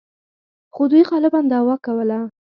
خو دوی غالباً دعوا کوله.